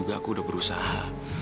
aku udah berusaha